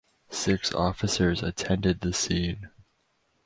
Six officers attended the scene.